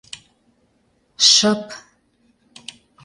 Шып.